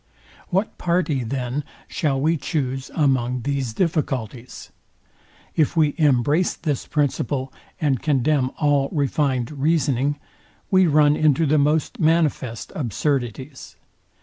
What party, then, shall we choose among these difficulties? If we embrace this principle, and condemn all refined reasoning, we run into the most manifest absurdities.